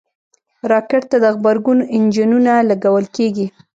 راکټ ته د غبرګون انجنونه لګول کېږي